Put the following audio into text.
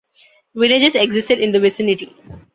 Villages existed in the vicinity.